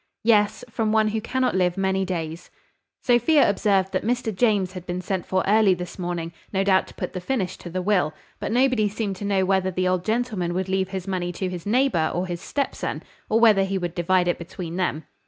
"Yes: from one who cannot live many days." Sophia observed that Mr James had been sent for early this morning no doubt to put the finish to the will: but nobody seemed to know whether the old gentleman would leave his money to his nephew or his step son, or whether he would divide it between them.